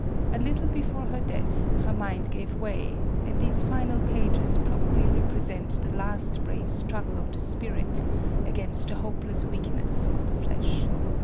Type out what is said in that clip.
A little before her death, her mind gave way ; and these final pages probably represent the last brave struggle of the spirit against the hopeless weakness of the flesh.